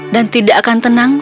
dan tidak akan tenang